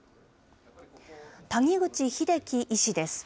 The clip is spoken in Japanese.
谷口英喜医師です。